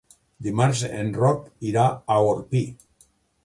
Dimarts en Roc irà a Orpí.